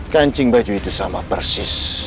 kancing baju itu sama persis